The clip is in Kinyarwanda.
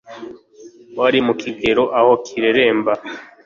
Wari mukigero aho kireremba